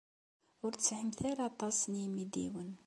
Ur tesɛimt ara aṭas n yimidiwen.